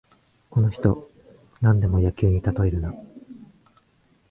この人、なんでも野球にたとえるな